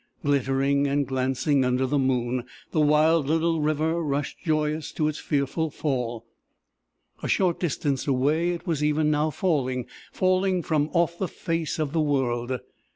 Glittering and glancing under the moon, the wild little river rushed joyous to its fearful fall. A short distance away, it was even now falling falling from off the face of the world!